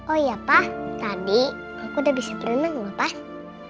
oh iya pak tadi aku udah bisa berenang enggak pak